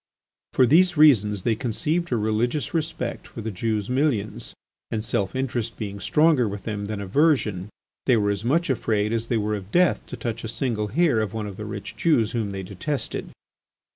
For these reasons they conceived a religious respect for the Jews' millions, and self interest being stronger with them than aversion, they were as much afraid as they were of death to touch a single hair of one of the rich Jews whom they detested.